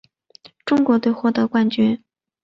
中国队获得冠军。